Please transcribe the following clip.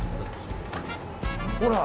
ほら。